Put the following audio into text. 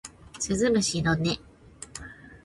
鈴虫の音